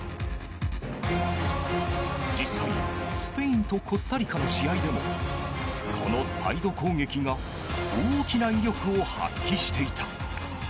実際スペインとコスタリカの試合でもこのサイド攻撃が大きな威力を発揮していた。